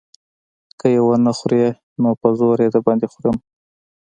که يې ونه خورې نو په زور يې در باندې خورم.